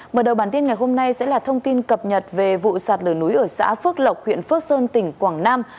mở đầu bản tin ngày hôm nay sẽ là thông tin cập nhật về vụ sạt lở núi ở xã phước lộc huyện phước sơn tỉnh quảng nam